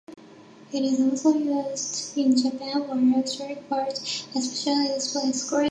It is also used in Japan for electronic parts, especially display screens.